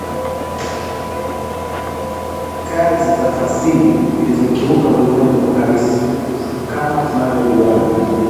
kazi za fasihi zilizokiuka ulimwengu halisi kama tunavyoujua na